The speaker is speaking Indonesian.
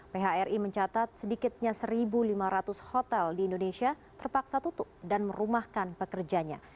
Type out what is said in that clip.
phri mencatat sedikitnya satu lima ratus hotel di indonesia terpaksa tutup dan merumahkan pekerjanya